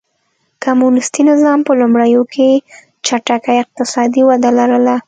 کمونېستي نظام په لومړیو کې چټکه اقتصادي وده لرله.